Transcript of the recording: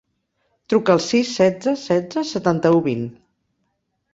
Truca al sis, setze, setze, setanta-u, vint.